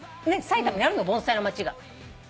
埼玉にあるの盆栽の町が。